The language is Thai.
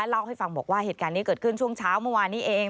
เล่าให้ฟังบอกว่าเหตุการณ์นี้เกิดขึ้นช่วงเช้าเมื่อวานนี้เอง